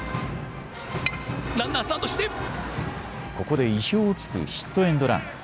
ここで意表を突くヒットエンドラン。